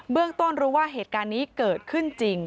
ต้นรู้ว่าเหตุการณ์นี้เกิดขึ้นจริง